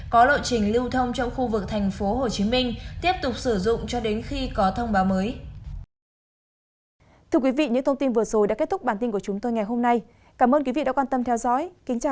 có lộ trình lưu thông trong khu vực tp hcm tiếp tục sử dụng cho đến khi có thông báo mới